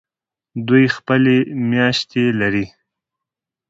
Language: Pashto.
دوی خپلې میاشتې لري.